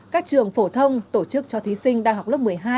các trường phổ thông tổ chức cho thí sinh đh lớp một mươi hai